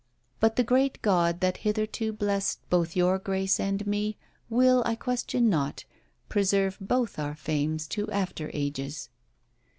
But the great God, that hitherto bless'd both your grace and me, will, I question not, preserve both our fames to after ages.